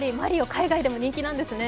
海外でも人気なんですね。